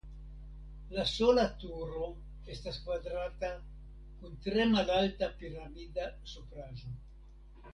La sola turo estas kvadrata kun tre malalta piramida supraĵo.